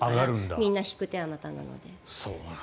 みんな引く手あまたなので。